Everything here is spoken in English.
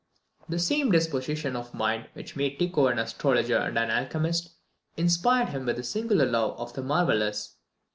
The same disposition of mind which made Tycho an astrologer and an alchemist, inspired him with a singular love of the marvellous.